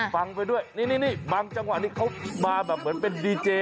ฟังไปด้วยนี่บางจังหวะนี้เขามาแบบเหมือนเป็นดีเจ